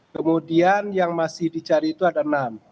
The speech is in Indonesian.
kemudian yang masih dicari itu ada enam